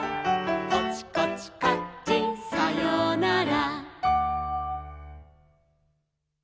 「コチコチカッチンさようなら」